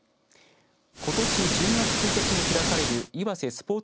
ことし１０月１日に開かれる